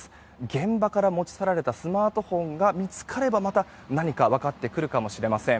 現場から持ち去られたスマートフォンが見つかればまた何か分かってくるかもしれません。